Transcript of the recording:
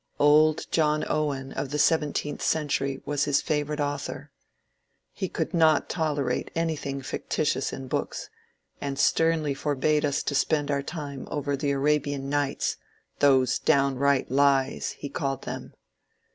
Old John Owen, of the seventeenth century, was his favourite author. He could not tolerate anything fictitious in books, and sternly for bade us to spend our time over the ^^ Arabian Nights "— ^^those downright lies," he called them.